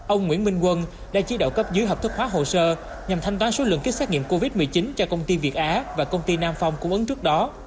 ông nguyễn minh quân đã chỉ đạo cấp dưới hợp thức hóa hồ sơ nhằm thanh toán số lượng kích xác nghiệm covid một mươi chín cho công ty việt á và công ty nam phong cung ứng trước đó